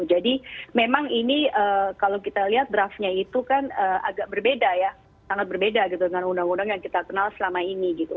jadi memang ini kalau kita lihat draftnya itu kan agak berbeda ya sangat berbeda gitu dengan undang undang yang kita kenal selama ini gitu